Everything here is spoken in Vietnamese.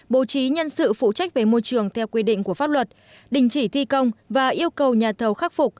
bố trí nhân sự phụ trách về môi trường theo quy định của pháp luật đình chỉ thi công và yêu cầu nhà thầu khắc phục